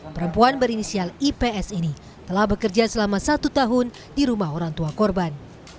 perempuan berinisial ips ini telah bekerja selama satu tahun di rumah orang tua korban